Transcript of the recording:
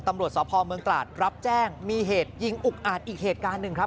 ตำรวจสพเมืองตราดรับแจ้งมีเหตุยิงอุกอาจอีกเหตุการณ์หนึ่งครับ